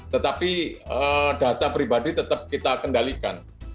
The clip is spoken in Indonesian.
tetapi data pribadi tetap kita kendalikan